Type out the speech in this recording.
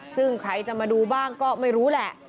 ซึ่งใครจะมาดูบ้างก็ไม่รู้แหละ